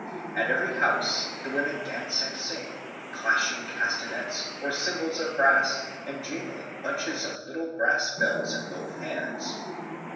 At every house the women dance and sing, clashing castanets or cymbals of brass and jingling bunches of little brass bells in both hands.